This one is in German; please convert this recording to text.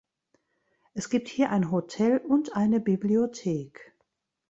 Es gibt hier ein Hotel und eine Bibliothek.